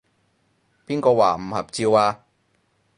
邊個話唔合照啊？